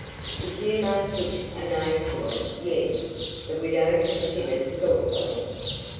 "If you must fix a name to it yes," the widow considered thoughtfully.